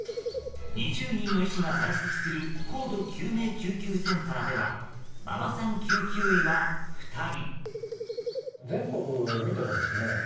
２０人の医師が在籍する高度救命救急センターではママさん救急医は２人。